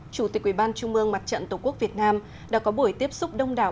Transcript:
chủ tịch ubnd mặt trận tổ quốc việt nam đã có buổi tiếp xúc đông đảo